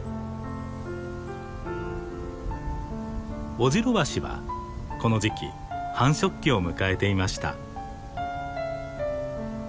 オジロワシはこの時期繁殖期を迎えていました。